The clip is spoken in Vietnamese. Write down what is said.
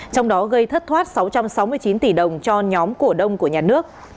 trong đó gây thất thoát sáu trăm sáu mươi chín tỷ đồng cho nhóm cổ đông của nhà nước